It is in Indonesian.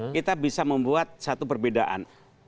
kita bisa membuat satu perbedaan